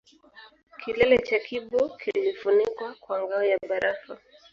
Kilele cha Kibo kilifunikwa kwa ngao ya barafu